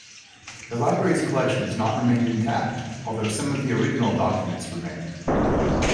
The library's collection has not remained intact, although some original documents remain.